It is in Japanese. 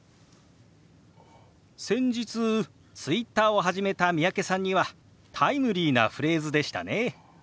先日Ｔｗｉｔｔｅｒを始めた三宅さんにはタイムリーなフレーズでしたね。